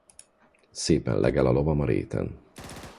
Szépen legel a lovam a réten.